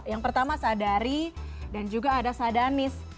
yang pertama sadari dan juga ada sadanis